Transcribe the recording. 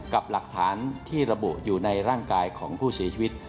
กับหลักฐานที่ระบุอยู่ในร่างกายของผู้เสียชีวิต